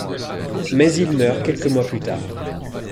Mais il meurt quelques mois plus tard.